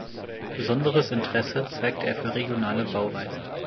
Besonderes Interesse zeigte er für regionale Bauweisen.